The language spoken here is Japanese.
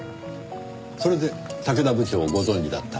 それで竹田部長をご存じだった。